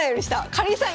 かりんさん